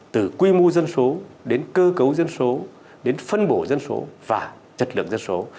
từ quy mô dân số đến cơ cấu dân số đến phân bổ dân số và chất lượng dân số